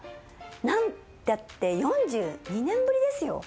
何たって４２年ぶりですよ？